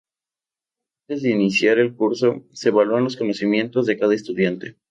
Antes de iniciar un curso, se evalúan los conocimientos de cada estudiante.